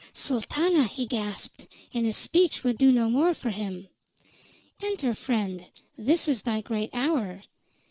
"Sultana!" he gasped, and his speech would do no more for him. "Enter, friend. This is thy great hour!"